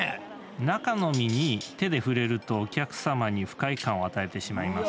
中の実に手で触れるとお客様に不快感を与えてしまいます。